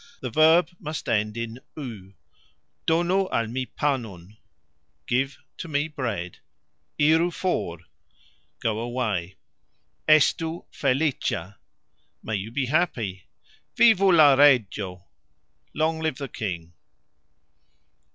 the verb must end in "u", as "Donu al mi panon", Give (to) me bread; "Iru for", Go away; "Estu felicxa", May you be happy! "Vivu la regxo!" (Long) live the king!